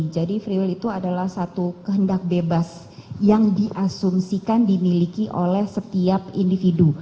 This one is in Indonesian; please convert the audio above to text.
jadi free will itu adalah satu kehendak bebas yang diasumsikan dimiliki oleh setiap individu